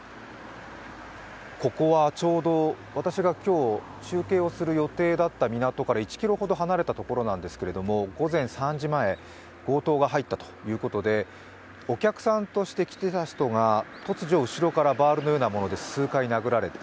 ここはちょうど私が今日、中継をする予定だった港から１ｋｍほど離れたところなんですけれども、午前３時前、強盗が入ったということで、お客さんとして来ていた人が突如、後ろからバールのようなもので数回殴られて